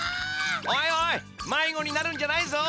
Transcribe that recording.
おいおいまいごになるんじゃないぞ。